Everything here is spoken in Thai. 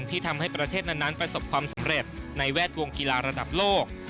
ที่ทำให้ประเทศนั้นประสบความสำเร็จในแวดวงกีฬาระดับโลก